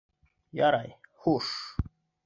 Ярай, хуш...